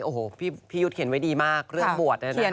โอ้โหพี่ยุทธ์เขียนไว้ดีมากเรื่องบวชนะเนี่ย